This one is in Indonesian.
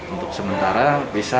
untuk sementara bisa